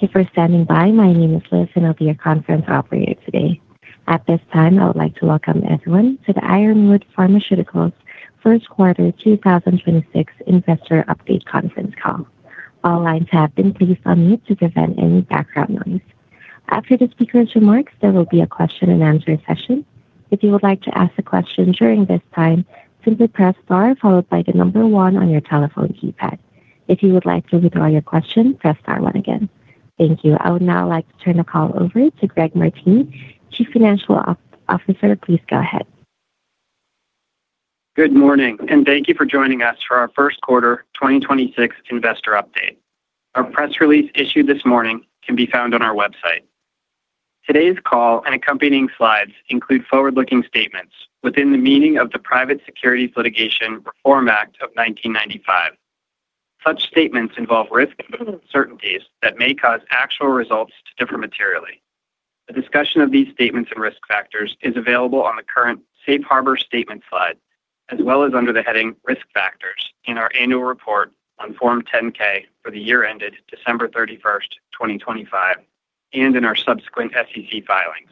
Thank you for standing by. My name is Liz, and I'll be your conference operator today. At this time, I would like to welcome everyone to the Ironwood Pharmaceuticals First Quarter 2026 Investor Update Conference Call. All lines have been placed on mute to prevent any background noise. After the speaker's remarks, there will be a question-and-answer session. If you would like to ask a question during this time, simply press star 1 on your telephone keypad. If you would like to withdraw your question, press star 1 again. Thank you. I would now like to turn the call over to Greg Martini, Chief Financial Officer. Please go ahead. Good morning, and thank you for joining us for our first quarter 2026 investor update. Our press release issued this morning can be found on our website. Today's call and accompanying slides include forward-looking statements within the meaning of the Private Securities Litigation Reform Act of 1995. Such statements involve risks and uncertainties that may cause actual results to differ materially. A discussion of these statements and risk factors is available on the current Safe Harbor Statement slide, as well as under the heading Risk Factors in our annual report on Form 10-K for the year ended December 31st, 2025, and in our subsequent SEC filings.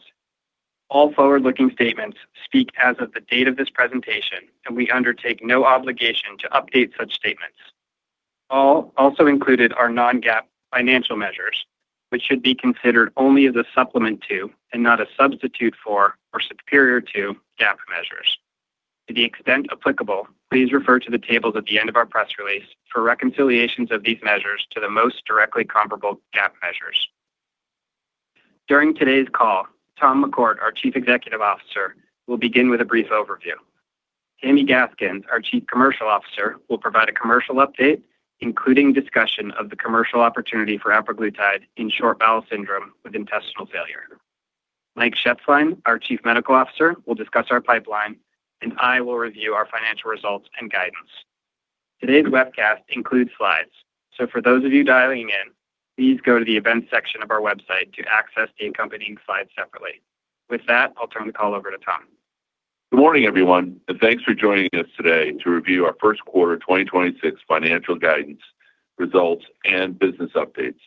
All forward-looking statements speak as of the date of this presentation, and we undertake no obligation to update such statements. Also included are non-GAAP financial measures, which should be considered only as a supplement to and not a substitute for or superior to GAAP measures. To the extent applicable, please refer to the tables at the end of our press release for reconciliations of these measures to the most directly comparable GAAP measures. During today's call, Thomas McCourt, our Chief Executive Officer, will begin with a brief overview. Tammi Gaskins, our Chief Commercial Officer, will provide a commercial update, including discussion of the commercial opportunity for apraglutide in Short Bowel Syndrome with Intestinal Failure. Mike Shetzline, our Chief Medical Officer, will discuss our pipeline, and I will review our financial results and guidance. Today's webcast includes slides. For those of you dialing in, please go to the events section of our website to access the accompanying slides separately. With that, I'll turn the call over to Thomas. Good morning, everyone, and thanks for joining us today to review our first quarter 2026 financial guidance, results, and business updates.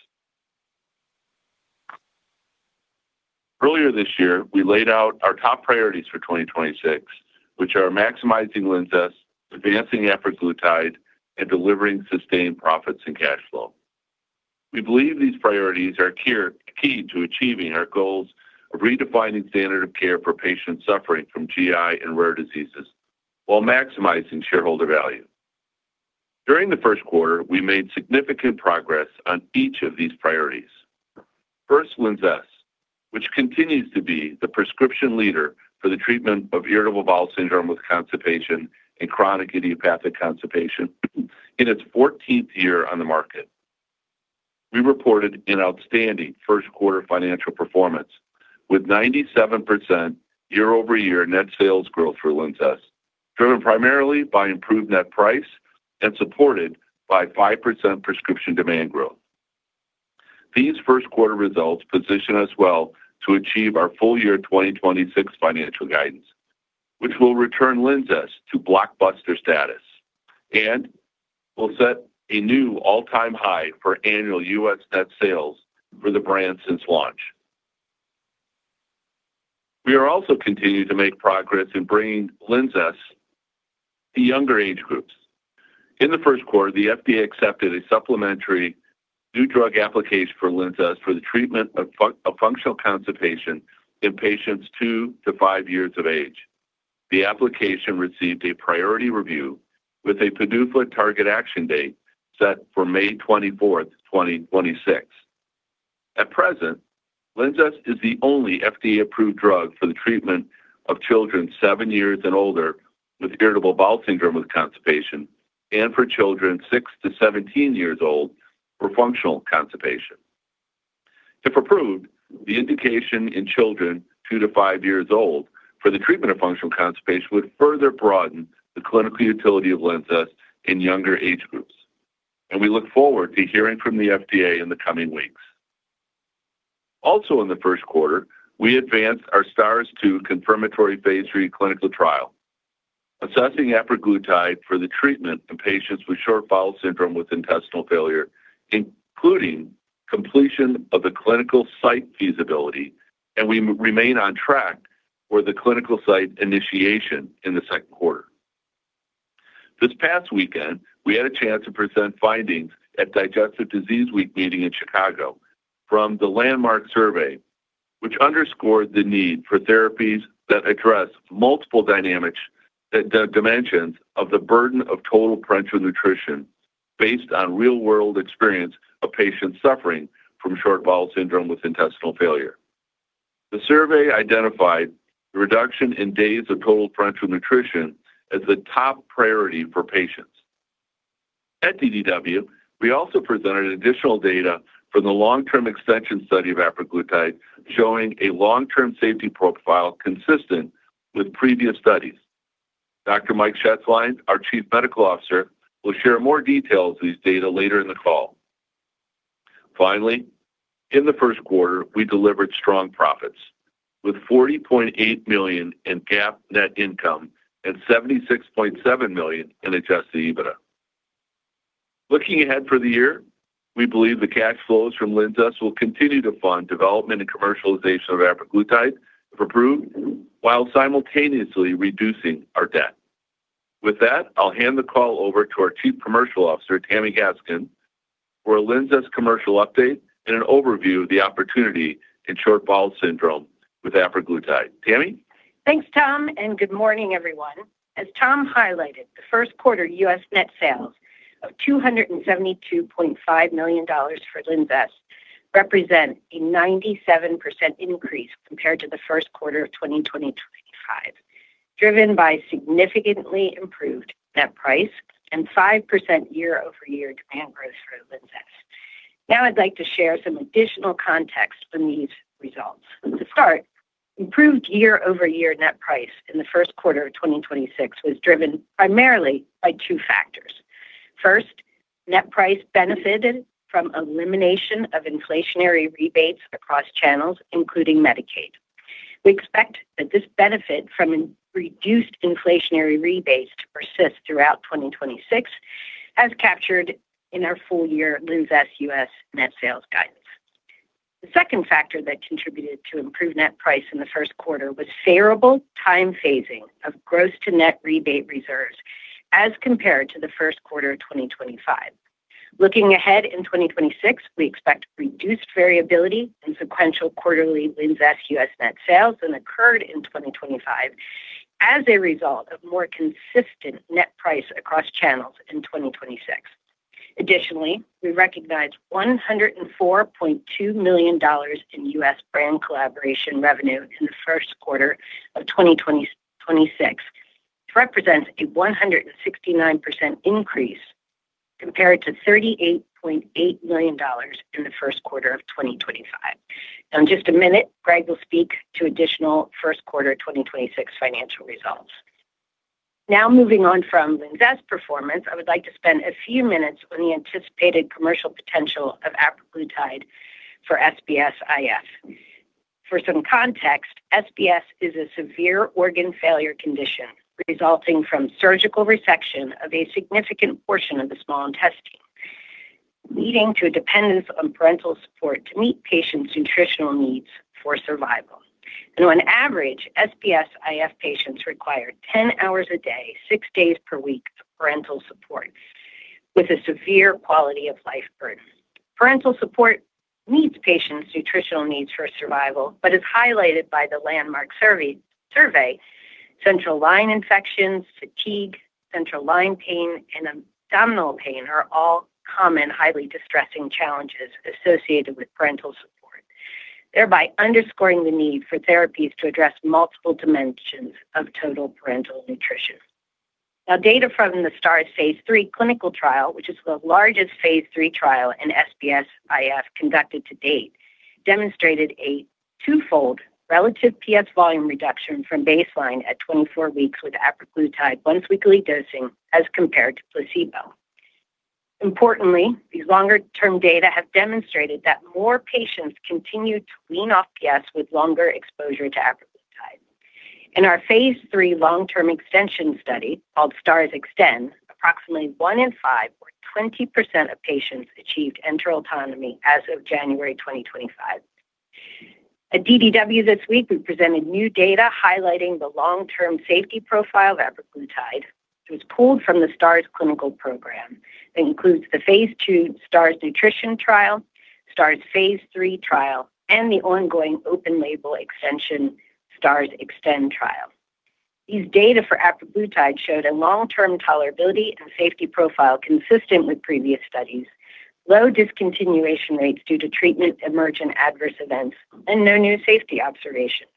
Earlier this year, we laid out our top priorities for 2026, which are maximizing LINZESS, advancing apraglutide, and delivering sustained profits and cash flow. We believe these priorities are key to achieving our goals of redefining standard of care for patients suffering from GI and rare diseases while maximizing shareholder value. During the first quarter, we made significant progress on each of these priorities. First, LINZESS, which continues to be the prescription leader for the treatment of irritable bowel syndrome with constipation and chronic idiopathic constipation. In its 14th year on the market, we reported an outstanding first quarter financial performance with 97% year-over-year net sales growth for LINZESS, driven primarily by improved net price and supported by 5% prescription demand growth. These first quarter results position us well to achieve our full year 2026 financial guidance, which will return LINZESS to blockbuster status and will set a new all-time high for annual U.S. net sales for the brand since launch. We are also continuing to make progress in bringing LINZESS to younger age groups. In the first quarter, the FDA accepted a supplementary new drug application for LINZESS for the treatment of functional constipation in patients two to five years of age. The application received a priority review with a PDUFA target action date set for May 24th, 2026. At present, LINZESS is the only FDA-approved drug for the treatment of children seven years and older with irritable bowel syndrome with constipation and for children six to 17 years old for functional constipation. If approved, the indication in children two to five years old for the treatment of functional constipation would further broaden the clinical utility of LINZESS in younger age groups, and we look forward to hearing from the FDA in the coming weeks. In the first quarter, we advanced our STARS-2 confirmatory phase III clinical trial, assessing apraglutide for the treatment in patients with Short Bowel Syndrome with Intestinal Failure, including completion of the clinical site feasibility, and we remain on track for the clinical site initiation in the second quarter. This past weekend, we had a chance to present findings at Digestive Disease Week meeting in Chicago from the LANDMARK survey, which underscored the need for therapies that address multiple dynamics dimensions of the burden of total parenteral nutrition based on real-world experience of patients suffering from Short Bowel Syndrome with Intestinal Failure. The survey identified the reduction in days of total parenteral nutrition as the top priority for patients. At DDW, we also presented additional data from the long-term extension study of apraglutide showing a long-term safety profile consistent with previous studies. Dr. Mike Shetzline, our Chief Medical Officer, will share more details of these data later in the call. Finally, in the first quarter, we delivered strong profits. With $40.8 million in GAAP net income and $76.7 million in adjusted EBITDA. Looking ahead for the year, we believe the cash flows from LINZESS will continue to fund development and commercialization of apraglutide, if approved, while simultaneously reducing our debt. With that, I'll hand the call over to our Chief Commercial Officer, Tammi Gaskins, for a LINZESS commercial update and an overview of the opportunity in Short Bowel Syndrome with apraglutide. Tammi? Thanks, Tom, and good morning, everyone. As Tom highlighted, the first quarter U.S. net sales of $272.5 million for LINZESS represent a 97% increase compared to the first quarter of 2025, driven by significantly improved net price and 5% year-over-year demand growth for LINZESS. Now I'd like to share some additional context on these results. To start, improved year-over-year net price in the first quarter of 2026 was driven primarily by two factors. First, net price benefited from elimination of inflationary rebates across channels, including Medicaid. We expect that this benefit from reduced inflationary rebates to persist throughout 2026 as captured in our full year LINZESS U.S. net sales guidance. The second factor that contributed to improved net price in the first quarter was favorable time phasing of gross to net rebate reserves as compared to the first quarter of 2025. Looking ahead in 2026, we expect reduced variability in sequential quarterly LINZESS U.S. net sales than occurred in 2025 as a result of more consistent net price across channels in 2026. Additionally, we recognized $104.2 million in U.S. brand collaboration revenue in the first quarter of 2026. This represents a 169% increase compared to $38.8 million in the first quarter of 2025. Now, in just a minute, Greg will speak to additional first quarter of 2026 financial results. Moving on from LINZESS performance, I would like to spend a few minutes on the anticipated commercial potential of apraglutide for SBS-IF. For some context, SBS is a severe organ failure condition resulting from surgical resection of a significant portion of the small intestine, leading to a dependence on parenteral support to meet patients' nutritional needs for survival. On average, SBS-IF patients require 10 hours a day, six days per week of parenteral support with a severe quality of life burden. Parenteral support meets patients' nutritional needs for survival, but as highlighted by the LANDMARK survey, central line infections, fatigue, central line pain, and abdominal pain are all common, highly distressing challenges associated with parenteral support, thereby underscoring the need for therapies to address multiple dimensions of total parenteral nutrition. Data from the STARS phase III clinical trial, which is the largest phase III trial in SBS-IF conducted to date, demonstrated a twofold relative PS volume reduction from baseline at 24 weeks with apraglutide once-weekly dosing as compared to placebo. Importantly, these longer-term data have demonstrated that more patients continue to wean off PS with longer exposure to apraglutide. In our phase III long-term extension study called STARS Extend, approximately 1 in 5 or 20% of patients achieved enteral autonomy as of January 2025. At DDW this week, we presented new data highlighting the long-term safety profile of apraglutide, which was pulled from the STARS clinical program. That includes the phase II STARS Nutrition trial, STARS phase III trial, and the ongoing open label extension STARS Extend trial. These data for apraglutide showed a long-term tolerability and safety profile consistent with previous studies, low discontinuation rates due to treatment emergent adverse events, and no new safety observations.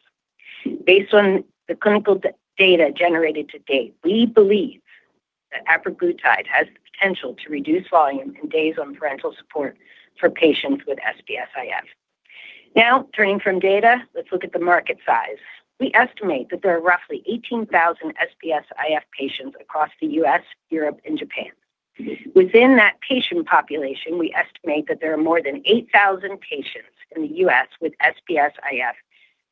Based on the clinical data generated to date, we believe that apraglutide has the potential to reduce volume and days on parenteral support for patients with SBS-IF. Turning from data, let's look at the market size. We estimate that there are roughly 18,000 SBS-IF patients across the U.S., Europe, and Japan. Within that patient population, we estimate that there are more than 8,000 patients in the U.S. with SBS-IF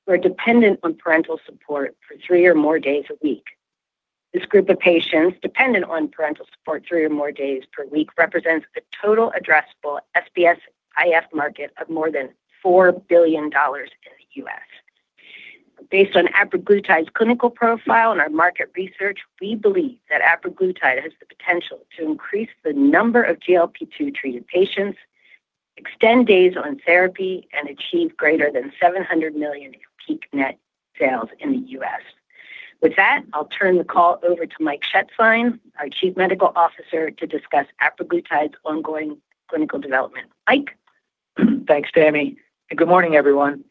who are dependent on parenteral support for three or more days a week. This group of patients dependent on parenteral support three or more days per week represents the total addressable SBS-IF market of more than $4 billion in the U.S. Based on apraglutide's clinical profile and our market research, we believe that apraglutide has the potential to increase the number of GLP-2 treated patients, extend days on therapy, and achieve greater than $700 million in peak net sales in the U.S. With that, I'll turn the call over to Mike Shetzline, our Chief Medical Officer, to discuss apraglutide's ongoing clinical development. Mike? Thanks, Tammi, and good morning, everyone.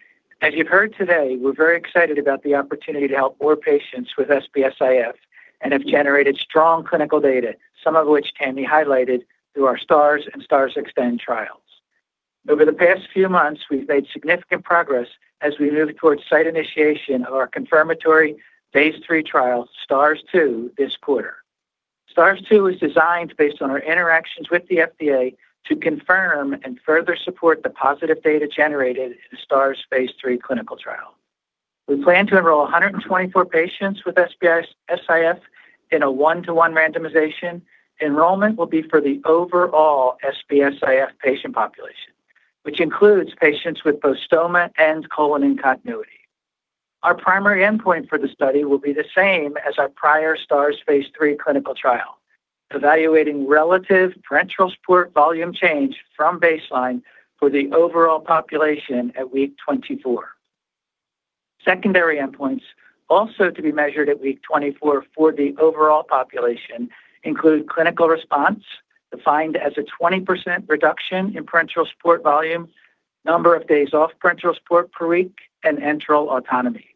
As you've heard today, we're very excited about the opportunity to help more patients with SBS-IF and have generated strong clinical data, some of which Tammi highlighted through our STARS and STARS Extend trials. Over the past few months, we've made significant progress as we move towards site initiation of our confirmatory phase III trial, STARS-2, this quarter. STARS-2 is designed based on our interactions with the FDA to confirm and further support the positive data generated in the STARS phase III clinical trial. We plan to enroll 124 patients with SBS-IF in a 1-to-1 randomization. Enrollment will be for the overall SBS-IF patient population, which includes patients with both stoma and Colon-in-Continuity. Our primary endpoint for the study will be the same as our prior STARS phase III clinical trial, evaluating relative parenteral support volume change from baseline for the overall population at week 24. Secondary endpoints also to be measured at week 24 for the overall population include clinical response, defined as a 20% reduction in parenteral support volume, number of days off parenteral support per week, and enteral autonomy.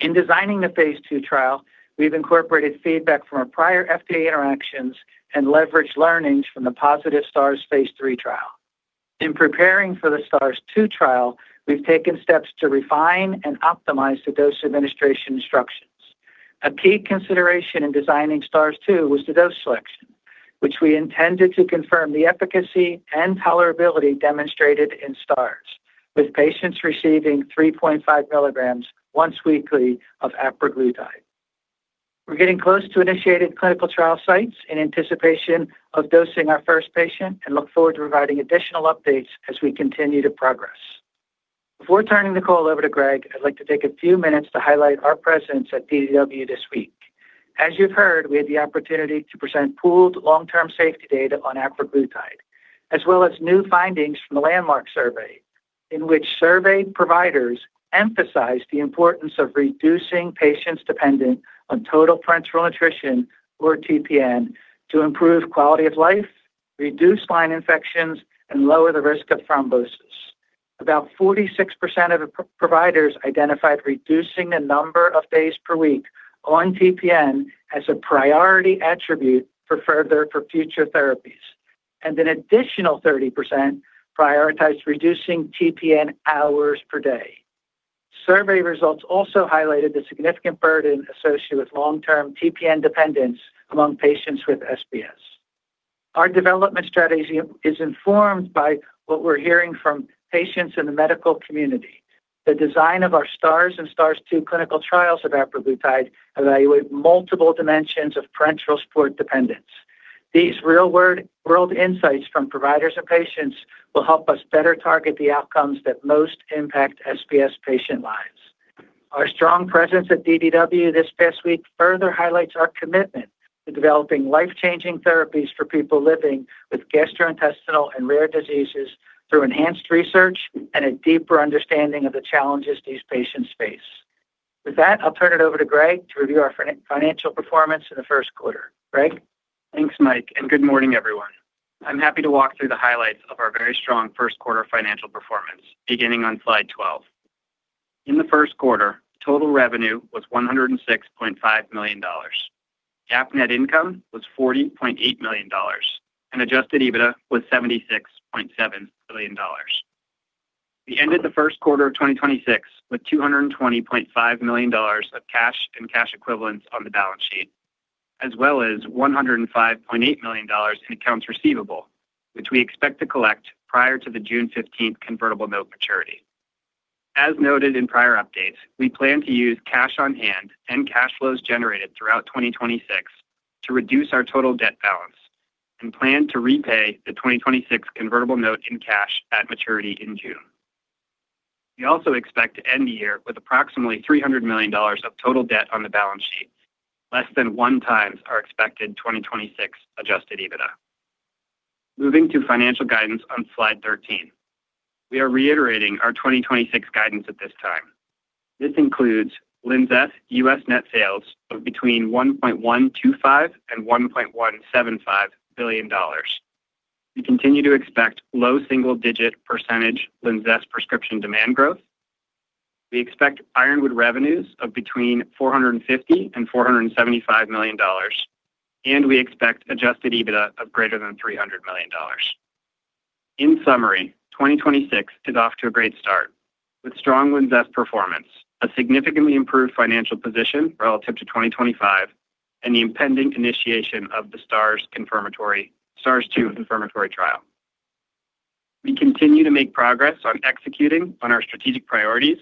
In designing the phase II trial, we've incorporated feedback from our prior FDA interactions and leveraged learnings from the positive STARS phase III trial. In preparing for the STARS-2 trial, we've taken steps to refine and optimize the dose administration instructions. A key consideration in designing STARS-2 was the dose selection, which we intended to confirm the efficacy and tolerability demonstrated in STARS, with patients receiving 3.5 mg once weekly of apraglutide. We're getting close to initiating clinical trial sites in anticipation of dosing our first patient and look forward to providing additional updates as we continue to progress. Before turning the call over to Greg, I'd like to take a few minutes to highlight our presence at DDW this week. As you've heard, we had the opportunity to present pooled long-term safety data on apraglutide, as well as new findings from the LANDMARK survey, in which surveyed providers emphasized the importance of reducing patients dependent on total parenteral nutrition or TPN to improve quality of life, reduce line infections, and lower the risk of thrombosis. About 46% of the providers identified reducing the number of days per week on TPN as a priority attribute for future therapies, and an additional 30% prioritized reducing TPN hours per day. Survey results also highlighted the significant burden associated with long-term TPN dependence among patients with SBS. Our development strategy is informed by what we're hearing from patients in the medical community. The design of our STARS and STARS-2 clinical trials of apraglutide evaluate multiple dimensions of parenteral support dependence. These real-world insights from providers and patients will help us better target the outcomes that most impact SBS patient lives. Our strong presence at DDW this past week further highlights our commitment to developing life-changing therapies for people living with gastrointestinal and rare diseases through enhanced research and a deeper understanding of the challenges these patients face. With that, I'll turn it over to Greg to review our financial performance in the first quarter. Greg? Thanks, Mike. Good morning, everyone. I'm happy to walk through the highlights of our very strong first quarter financial performance, beginning on slide 12. In the first quarter, total revenue was $106.5 million. GAAP net income was $40.8 million, and adjusted EBITDA was $76.7 million. We ended the first quarter of 2026 with $220.5 million of cash and cash equivalents on the balance sheet, as well as $105.8 million in accounts receivable, which we expect to collect prior to the June 15th convertible note maturity. As noted in prior updates, we plan to use cash on hand and cash flows generated throughout 2026 to reduce our total debt balance and plan to repay the 2026 convertible note in cash at maturity in June. We also expect to end the year with approximately $300 million of total debt on the balance sheet, less than 1x our expected 2026 adjusted EBITDA. Moving to financial guidance on Slide 13. We are reiterating our 2026 guidance at this time. This includes LINZESS U.S. net sales of between $1.125 billion and $1.175 billion. We continue to expect low single-digit percentage LINZESS prescription demand growth. We expect Ironwood revenues of between $450 million and $475 million, and we expect adjusted EBITDA of greater than $300 million. In summary, 2026 is off to a great start with strong LINZESS performance, a significantly improved financial position relative to 2025, and the impending initiation of the STARS-2 confirmatory trial. We continue to make progress on executing on our strategic priorities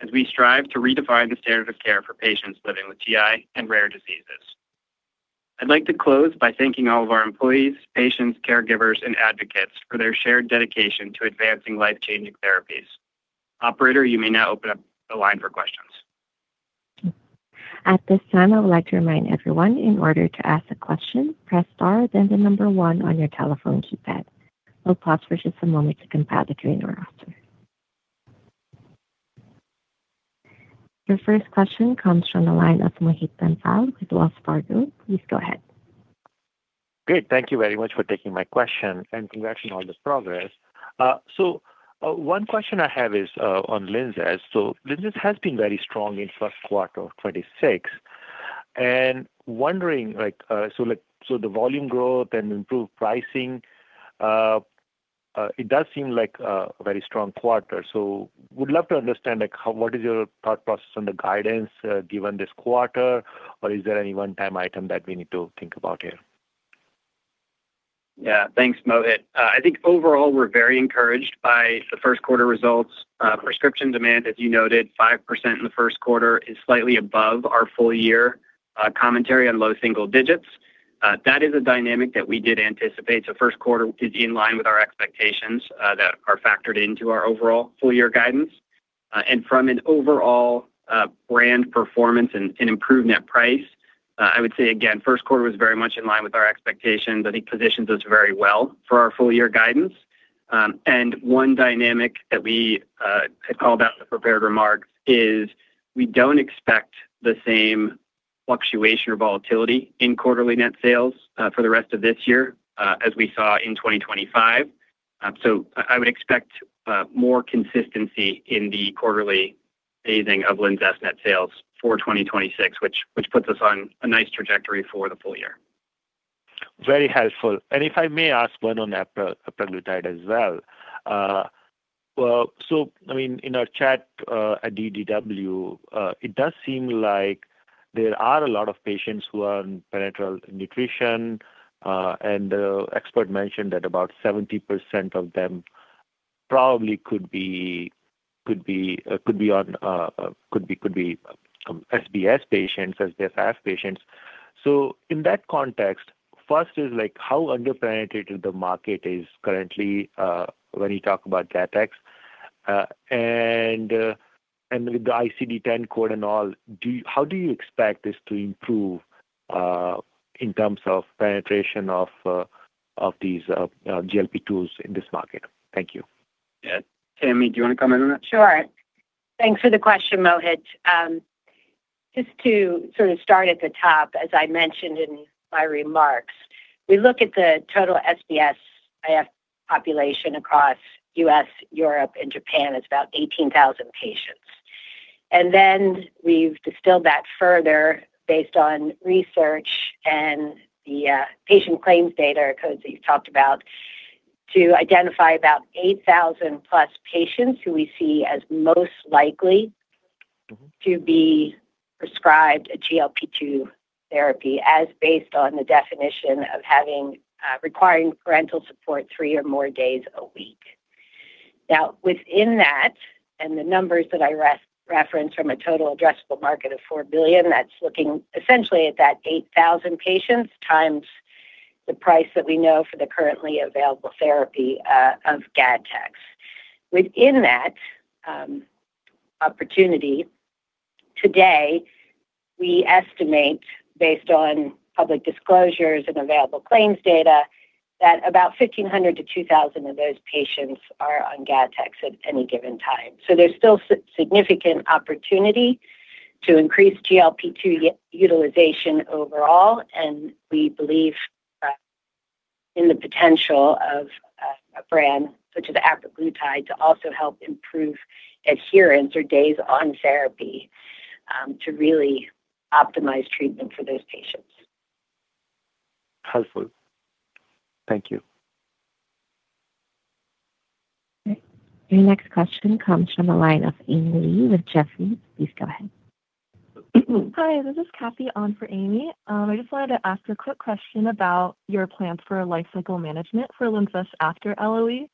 as we strive to redefine the standard of care for patients living with GI and rare diseases. I'd like to close by thanking all of our employees, patients, caregivers, and advocates for their shared dedication to advancing life-changing therapies. Operator, you may now open up the line for questions. At this time, I would like to remind everyone in order to ask a question, press star, then the number one on your telephone keypad. We'll pause for just a moment to compile the queue in order. Your first question comes from the line of Mohit Bansal with Wells Fargo. Please go ahead. Great. Thank you very much for taking my question, and congrats on all this progress. One question I have is on LINZESS. LINZESS has been very strong in first quarter of 2026. Wondering like the volume growth and improved pricing, It does seem like a very strong quarter. Would love to understand, like how what is your thought process on the guidance, given this quarter? Is there any one-time item that we need to think about here? Thanks, Mohit. I think overall we're very encouraged by the first quarter results. Prescription demand, as you noted, 5% in the first quarter is slightly above our full year commentary on low single digits. That is a dynamic that we did anticipate. First quarter is in line with our expectations that are factored into our overall full year guidance. From an overall brand performance and improved net price, I would say again, first quarter was very much in line with our expectations. I think positions us very well for our full year guidance. One dynamic that we I called out in the prepared remarks is we don't expect the same fluctuation or volatility in quarterly net sales for the rest of this year as we saw in 2025. I would expect more consistency in the quarterly phasing of LINZESS net sales for 2026, which puts us on a nice trajectory for the full year. Very helpful. If I may ask one on the apraglutide as well. Well, I mean, in our chat at DDW, it does seem like there are a lot of patients who are on parenteral nutrition. The expert mentioned that about 70% of them probably could be SBS patients. In that context, first is like how under-penetrated the market is currently when you talk about GATTEX. With the ICD-10 code and all, how do you expect this to improve in terms of penetration of these GLP-2s in this market? Thank you. Yeah. Tammi, do you wanna comment on that? Sure. Thanks for the question, Mohit. Just to sort of start at the top, as I mentioned in my remarks, we look at the total SBS-IF population across U.S., Europe, and Japan as about 18,000 patients. We've distilled that further based on research and the patient claims data codes that you've talked about to identify about 8,000 plus patients who we see as most likely. To be prescribed a GLP-2 therapy as based on the definition of having, requiring parenteral support three or more days a week. Now within that, and the numbers that I referenced from a total addressable market of $4 billion, that's looking essentially at that 8,000 patients times the price that we know for the currently available therapy of GATTEX. Within that opportunity today, we estimate based on public disclosures and available claims data, that about 1,500 to 2,000 of those patients are on GATTEX at any given time. There's still significant opportunity to increase GLP-2 utilization overall, and we believe in the potential of a brand such as apraglutide to also help improve adherence or days on therapy to really optimize treatment for those patients. Helpful. Thank you. Okay. Your next question comes from the line of Amy Lee with Jefferies. Please go ahead. Hi, this is Kathy on for Amy. I just wanted to ask a quick question about your plans for lifecycle management for LINZESS after LOE.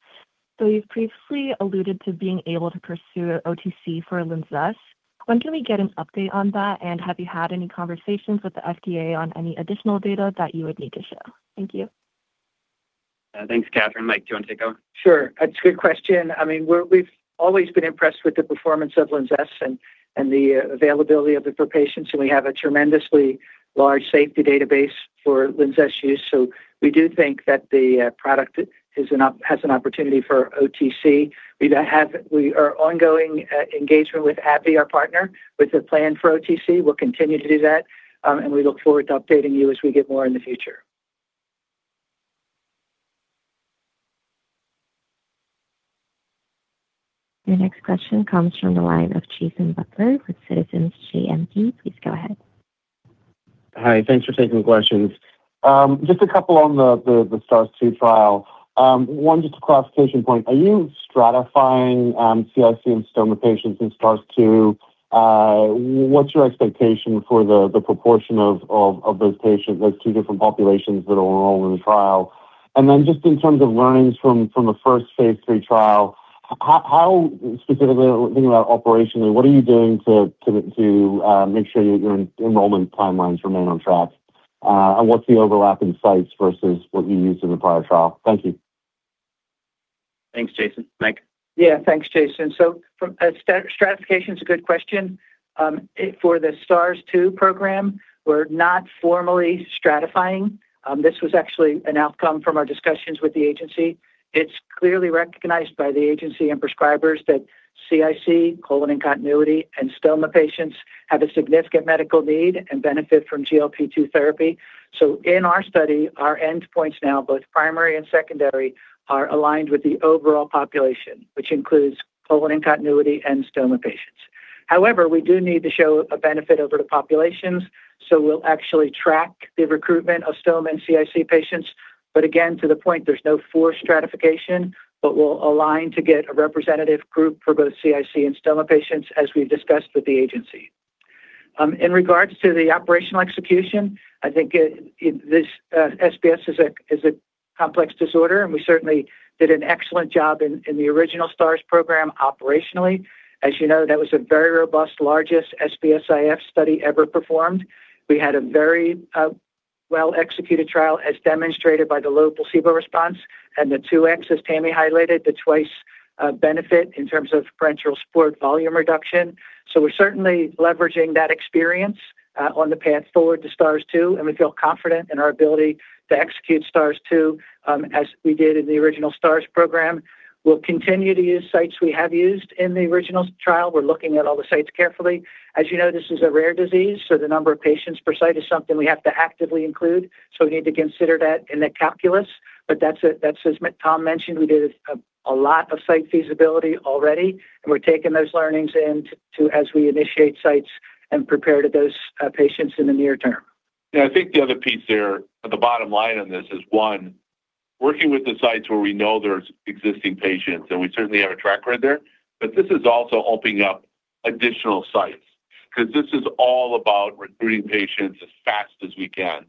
You've previously alluded to being able to pursue OTC for LINZESS. When can we get an update on that? Have you had any conversations with the FDA on any additional data that you would need to share? Thank you. Thanks, Catherine. Mike, do you want to take over? Sure. It's a good question. I mean, we've always been impressed with the performance of LINZESS and the availability of it for patients, and we have a tremendously large safety database for LINZESS use. We do think that the product has an opportunity for OTC. We are ongoing engagement with AbbVie, our partner, with a plan for OTC. We'll continue to do that. We look forward to updating you as we get more in the future. Your next question comes from the line of Jason Butler with Citizens JMP. Please go ahead. Hi. Thanks for taking the questions. Just a couple on the STARS-2 trial. One just a clarification point. Are you stratifying CIC and stoma patients in STARS-2? What's your expectation for the proportion of those patients, those two different populations that are enrolled in the trial? Just in terms of learnings from the first phase III trial, how, specifically thinking about operationally, what are you doing to make sure your enrollment timelines remain on track? What's the overlap in sites versus what you used in the prior trial? Thank you. Thanks, Jason. Mike. Yeah. Thanks, Jason. From a stratification's a good question. For the STARS-2 program, we're not formally stratifying. This was actually an outcome from our discussions with the agency. It's clearly recognized by the agency and prescribers that CIC, Colon-in-Continuity, and stoma patients have a significant medical need and benefit from GLP-2 therapy. In our study, our endpoints now, both primary and secondary, are aligned with the overall population, which includes Colon-in-Continuity and stoma patients. However, we do need to show a benefit over the populations, so we'll actually track the recruitment of stoma and CIC patients. Again, to the point, there's no four stratification, but we'll align to get a representative group for both CIC and stoma patients as we've discussed with the agency. In regards to the operational execution, I think it this SBS is a complex disorder, and we certainly did an excellent job in the original STARS program operationally. As you know, that was a very robust, largest SBS-IF study ever performed. We had a very well-executed trial, as demonstrated by the low placebo response and the 2x, as Tammi highlighted, the twice benefit in terms of differential support volume reduction. We're certainly leveraging that experience on the path forward to STARS-2, and we feel confident in our ability to execute STARS-2 as we did in the original STARS program. We'll continue to use sites we have used in the original trial. We're looking at all the sites carefully. As you know, this is a rare disease, the number of patients per site is something we have to actively include, so we need to consider that in the calculus. That's as Tom mentioned, we did a lot of site feasibility already, and we're taking those learnings into as we initiate sites and prepare to dose patients in the near term. Yeah, I think the other piece there, or the bottom line on this is, one, working with the sites where we know there's existing patients, and we certainly have a track record there, but this is also opening up additional sites 'cause this is all about recruiting patients as fast as we can.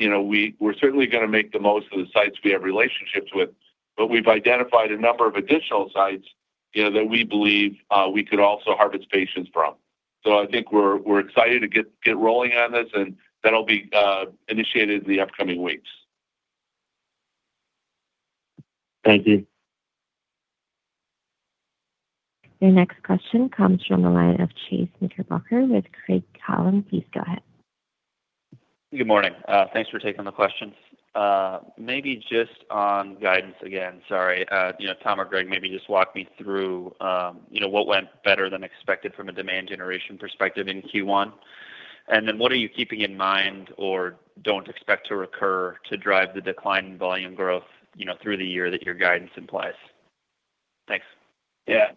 You know, we're certainly gonna make the most of the sites we have relationships with, but we've identified a number of additional sites, you know, that we believe we could also harvest patients from. I think we're excited to get rolling on this, and that'll be initiated in the upcoming weeks. Thank you. Your next question comes from the line of Chase Knickerbocker with Craig-Hallum. Please go ahead. Good morning. Thanks for taking the questions. Maybe just on guidance again, sorry, you know, Tom or Greg, maybe just walk me through, you know, what went better than expected from a demand generation perspective in Q1. What are you keeping in mind or don't expect to recur to drive the decline in volume growth, you know, through the year that your guidance implies? Thanks. Yeah.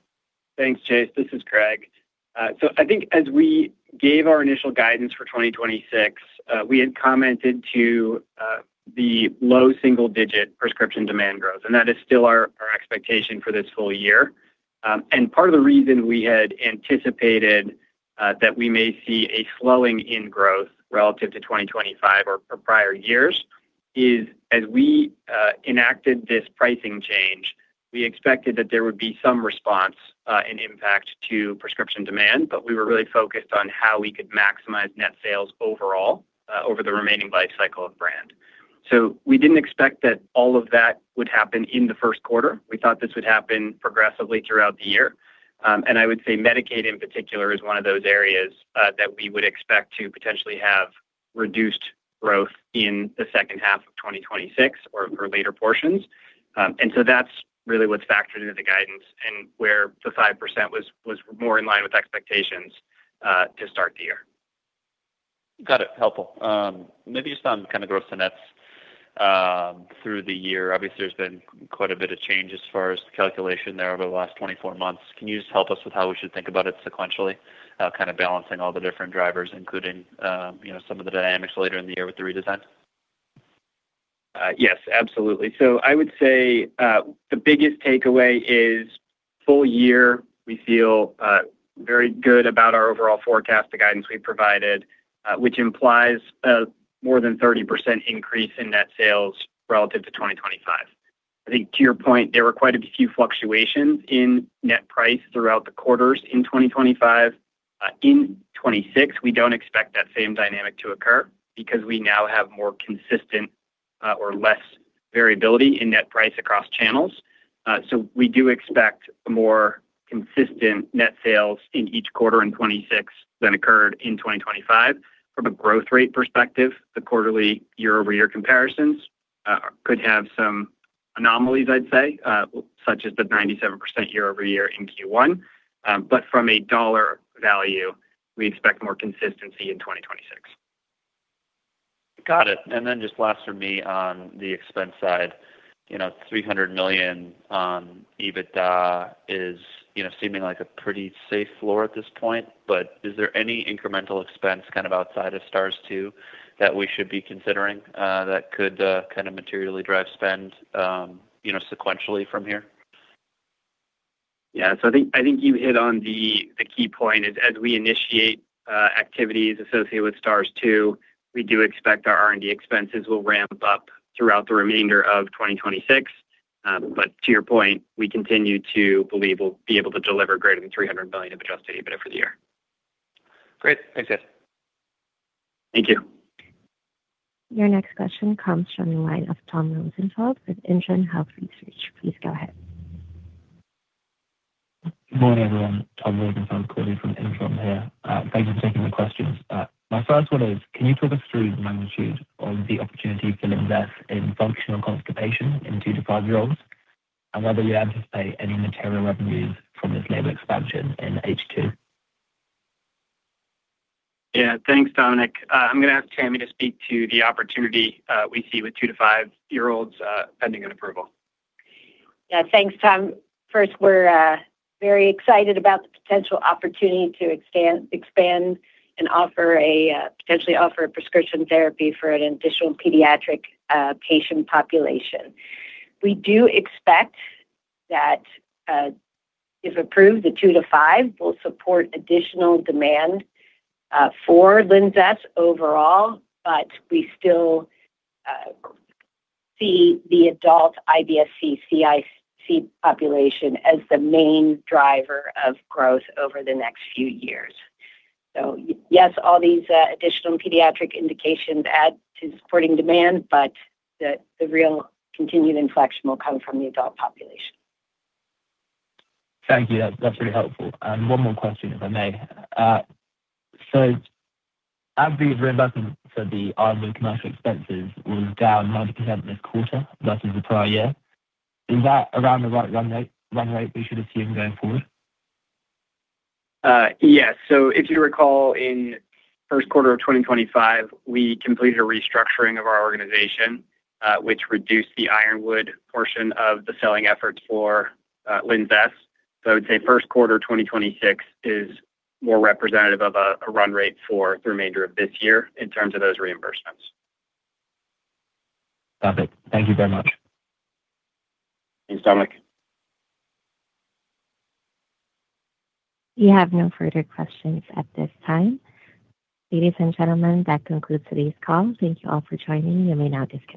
Thanks, Chase. This is Greg. I think as we gave our initial guidance for 2026, we had commented to the low single-digit prescription demand growth, and that is still our expectation for this full year. Part of the reason we had anticipated that we may see a slowing in growth relative to 2025 or prior years is as we enacted this pricing change, we expected that there would be some response and impact to prescription demand. We were really focused on how we could maximize net sales overall over the remaining life cycle of brand. We didn't expect that all of that would happen in the first quarter. We thought this would happen progressively throughout the year. I would say Medicaid in particular is one of those areas that we would expect to potentially have reduced growth in the second half of 2026 or for later portions. That's really what's factored into the guidance and where the 5% was more in line with expectations to start the year. Got it. Helpful. Maybe just on kind of gross to nets through the year. Obviously, there's been quite a bit of change as far as the calculation there over the last 24 months. Can you just help us with how we should think about it sequentially, kind of balancing all the different drivers, including, you know, some of the dynamics later in the year with the redesign? Yes, absolutely. I would say, the biggest takeaway is full year, we feel very good about our overall forecast, the guidance we've provided, which implies more than 30% increase in net sales relative to 2025. I think to your point, there were quite a few fluctuations in net price throughout the quarters in 2025. In 2026, we don't expect that same dynamic to occur because we now have more consistent, or less variability in net price across channels. We do expect more consistent net sales in each quarter in 2026 than occurred in 2025. From a growth rate perspective, the quarterly year-over-year comparisons could have some anomalies, I'd say, such as the 97% year-over-year in Q1. From a dollar value, we expect more consistency in 2026. Got it. Then just last for me on the expense side. $300 million on EBITDA is seeming like a pretty safe floor at this point. Is there any incremental expense kind of outside of STARS-2 that we should be considering that could kind of materially drive spend sequentially from here? I think you hit on the key point is as we initiate activities associated with STARS-2, we do expect our R&D expenses will ramp up throughout the remainder of 2026. To your point, we continue to believe we'll be able to deliver greater than $300 million of adjusted EBITDA for the year. Great. Thanks, guys. Thank you. Your next question comes from the line of Tom Rosenfeld with Intron Health Research. Please go ahead. Good morning, everyone. Tom Rosenfeld calling from Intron Health. Thanks for taking the questions. My first one is, can you talk us through the magnitude of the opportunity for LINZESS in functional constipation in two to five-year-olds and whether you anticipate any material revenues from this label expansion in H2? Yeah. Thanks, Tom. I'm gonna ask Tammi to speak to the opportunity we see with two to five-year-olds pending an approval. Thanks, Tom. First, we're very excited about the potential opportunity to expand and offer a potentially offer a prescription therapy for an additional pediatric patient population. We do expect that, if approved, the two to five will support additional demand for LINZESS overall. We still see the adult IBS-C, CIC population as the main driver of growth over the next few years. Yes, all these additional pediatric indications add to supporting demand, but the real continued inflection will come from the adult population. Thank you. That's really helpful. One more question, if I may. Average reimbursement for the Ironwood commercial expenses was down 9% this quarter versus the prior year. Is that around the right run rate we should assume going forward? Yes. If you recall, in first quarter of 2025, we completed a restructuring of our organization, which reduced the Ironwood portion of the selling efforts for LINZESS. I would say first quarter 2026 is more representative of a run rate for the remainder of this year in terms of those reimbursements. Perfect. Thank you very much. Thanks, Tom. We have no further questions at this time. Ladies and gentlemen, that concludes today's call. Thank you all for joining. You may now disconnect.